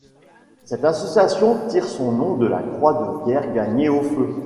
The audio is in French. Cette association tire son nom de la croix de guerre gagnée au feu.